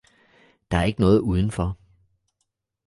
Der er ikke noget udenfor!